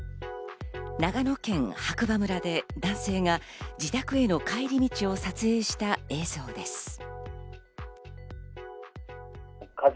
長野県白馬村で男性が自宅への帰り道を撮影した映像です。